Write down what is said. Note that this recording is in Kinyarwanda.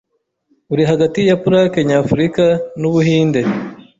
uri hagati ya plaque nyafurika nu Buhinde